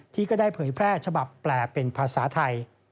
ก็ได้เผยแพร่ฉบับแปลเป็นภาษาไทย